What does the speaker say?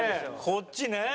こっちね。